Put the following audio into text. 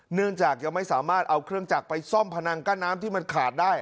เนื่องจากยังไม่สามารถเอาเครื่องจักรไปซ่อมพนังกั้นน้ำที่มันขาดได้